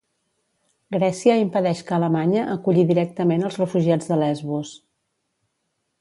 Grècia impedeix que Alemanya aculli directament els refugiats de Lesbos.